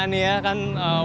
nih ya kan